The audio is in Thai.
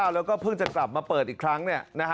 แล้วก็เพิ่งจะกลับมาเปิดอีกครั้ง